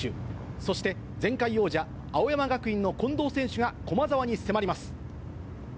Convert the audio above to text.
そして前回王者、青山学院の近藤選手が駒澤に迫ります。